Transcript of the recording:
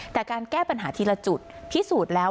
แต่การแก้ปัญหาทีละจุดพิสูจน์แล้ว